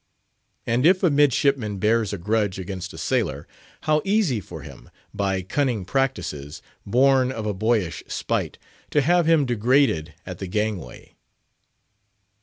And if a midshipman bears a grudge against a sailor, how easy for him, by cunning practices, born of a boyish spite, to have him degraded at the gangway.